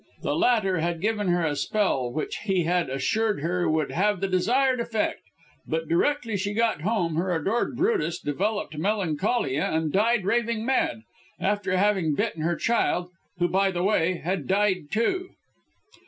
The latter had given her a spell which he had assured her would have the desired effect, but directly she got home, her adored Brutus developed melancholia, and died raving mad, after having bitten her child, who, by the way, had died, too.